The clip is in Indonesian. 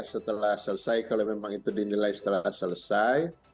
setelah selesai kalau memang itu dinilai setelah selesai